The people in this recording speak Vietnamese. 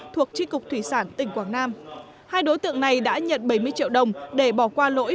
thuộc tri cục thủy sản tỉnh quảng nam hai đối tượng này đã nhận bảy mươi triệu đồng để bỏ qua lỗi